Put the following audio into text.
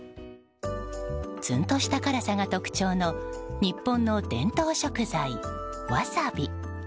つんとした辛さが特徴の日本の伝統食材、ワサビ。